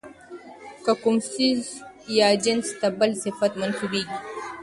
که کوم څيز ىا جنس ته بل صفت منسوبېږي،